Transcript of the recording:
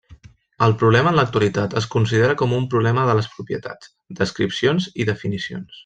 El problema en l'actualitat es considera com un problema de les propietats, descripcions i definicions.